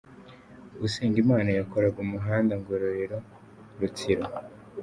Usengimana yakoraga umuhanda Ngororero – Rutsiro.